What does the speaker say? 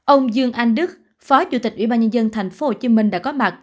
ông dương anh đức phó chủ tịch ubnd tp hcm đã có mặt